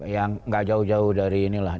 yang gak jauh jauh dari ini lah